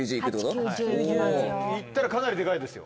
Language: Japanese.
行ったらかなりデカいですよ。